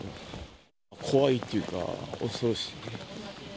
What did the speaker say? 怖いっていうか、恐ろしい。